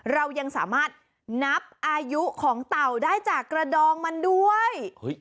เรายังสามารถนับอายุของเต่าได้จากกระดองมันด้วย